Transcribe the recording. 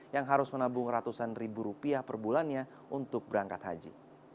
yang harus menabung ratusan ribu rupiah per bulannya untuk berangkat haji